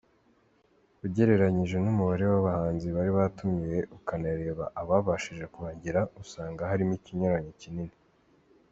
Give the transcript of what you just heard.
Ugereranyije n’umubare w’abahanzi bari batumiwe ukanareba ababashije kuhagera usanga harimo ikinyuranyo kinini.